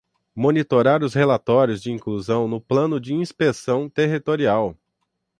Monitorar os relatórios de inclusão no Plano de Inspeção Territorial.